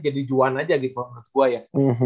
jadi juhan aja gitu menurut gua ya